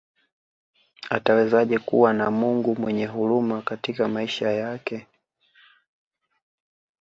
Atawezaje kuwa na Mungu mwenyehuruma katika maisha yake